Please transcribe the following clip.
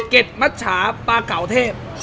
เก็ดมัชชาปลาเก่าเทพ